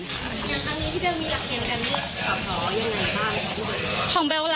เรื่องทางนี้ที่เบลมีหลักเผเทียมกันด้วยตอนนั้นเหรอยังไงบ้าง